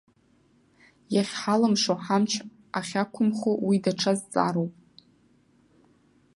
Иахьҳалымшо, ҳамч ахьақәымхо, уи даҽа зҵаароуп.